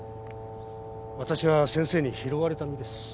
わたしは先生に拾われた身です。